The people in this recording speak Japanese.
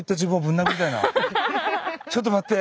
ちょっと待って！